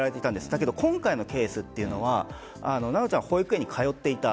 だけど、今回のケースというのは修ちゃんは保育園に通っていた。